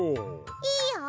いいよ！